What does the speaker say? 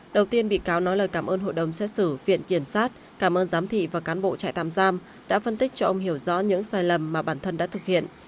đầu tiên bị cáo nói lời cảm ơn hội đồng xét xử viện kiểm sát cảm ơn giám thị và cán bộ trại tạm giam đã phân tích cho ông hiểu rõ những sai lầm mà bản thân đã thực hiện